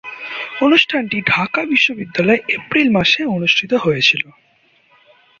অনুষ্ঠানটি ঢাকা বিশ্ববিদ্যালয়ে এপ্রিল মাসে অনুষ্ঠিত হয়েছিলো।